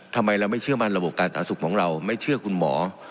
ทำไมเราไม่เชื่อมั่นระบบการสาธารณสุขของเราไม่เชื่อคุณหมอ